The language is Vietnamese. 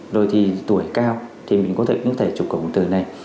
rồi thì tuổi cao thì mình có thể trục cộng hồn từ này